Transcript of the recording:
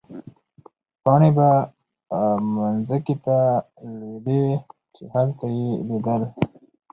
پاڼې به مځکې ته رالوېدې، چې هلته يې لیدل.